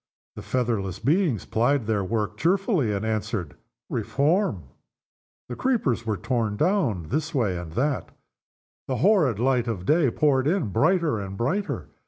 The featherless beings plied their work cheerfully, and answered, "Reform!" The creepers were torn down this way and that. The horrid daylight poured in brighter and brighter.